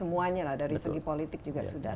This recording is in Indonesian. semuanya lah dari segi politik juga sudah